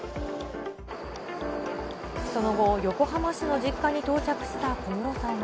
その後、横浜市の実家に到着した小室さんは。